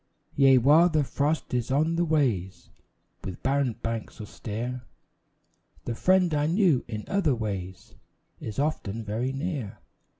Yea, while the frost is on the ways With barren banks austere, The friend I knew in other days Is often very near.